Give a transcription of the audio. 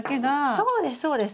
そうですそうです！